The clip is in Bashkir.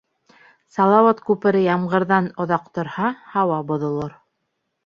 Салауат күпере ямғырҙан оҙаҡ торһа, һауа боҙолор